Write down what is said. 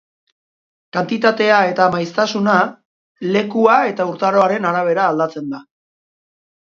Kantitatea eta maiztasuna, lekua eta urtaroaren arabera aldatzen da.